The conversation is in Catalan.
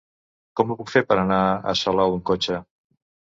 Com ho puc fer per anar a Salou amb cotxe?